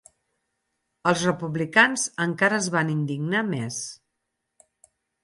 Els republicans encara es van indignar més.